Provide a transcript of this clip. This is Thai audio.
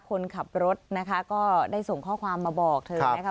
คนขับรถนะคะก็ได้ส่งข้อความมาบอกเธอนะคะ